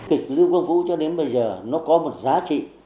kịch lưu quang vũ cho đến bây giờ nó có một giá trị